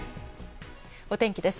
お天気です。